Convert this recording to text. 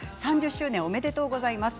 ３０周年おめでとうございます。